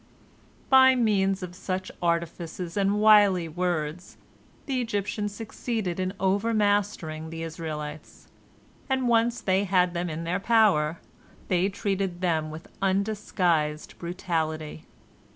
By means of such artifices and wily words the Egyptians succeeded in overmastering the Israelites, and once they had them in their power, they treated them with undisguised brutality.